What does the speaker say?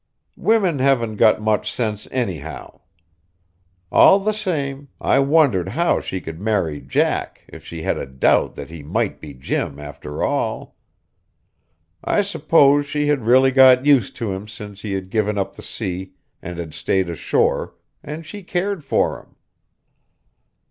Women haven't got much sense, anyhow. All the same, I wondered how she could marry Jack if she had a doubt that he might be Jim after all. I suppose she had really got used to him since he had given up the sea and had stayed ashore, and she cared for him.